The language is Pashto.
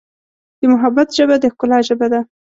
د محبت ژبه د ښکلا ژبه ده.